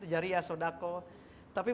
jariah sodako tapi